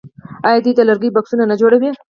آیا دوی د لرګیو بکسونه نه جوړوي؟